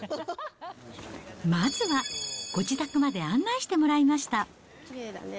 まずは、ご自宅まで案内してもらいました。